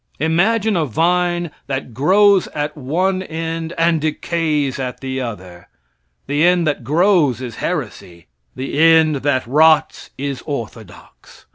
Imagine a vine that grows at one end and decays at the other. The end that grows is heresy; the end that rots is orthodox.